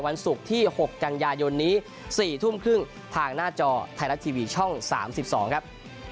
วันศุกร์ที่๖กันยายนนี้๔ทุ่มครึ่งทางหน้าจอไทยรัฐทีวีช่อง๓๒ครับ